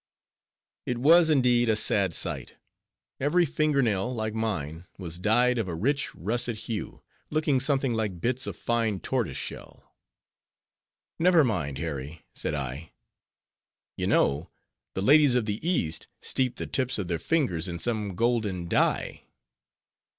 It was indeed a sad sight. Every finger nail, like mine, was dyed of a rich, russet hue; looking something like bits of fine tortoise shell. "Never mind, Harry," said I—"You know the ladies of the east steep the tips of their fingers in some golden dye."